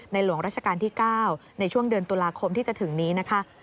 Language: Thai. หลวงราชการที่๙ในช่วงเดือนตุลาคมที่จะถึงนี้นะคะ